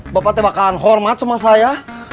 bapak te bakalan hormat sama saya